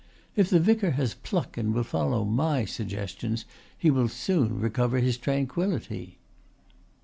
"If the vicar has pluck and will follow my suggestions he will soon recover his tranquillity."